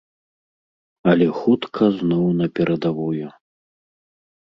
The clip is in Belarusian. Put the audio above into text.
Але хутка зноў на перадавую.